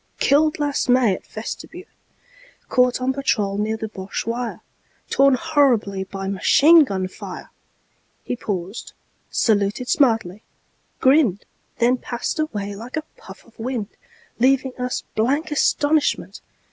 Killed last May at Festubert.Caught on patrol near the Boche wire, Torn horribly by machine gun fire! He paused, saluted smartly, grinned, Then passed away like a puff of wind, Leaving us blank astonishment.